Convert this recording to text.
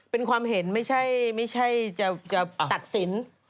เป็นความเห็นไม่ใช่จะตัดสิน